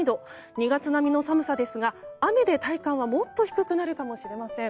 ２月並みの寒さですが雨で体感はもっと低くなるかもしれません。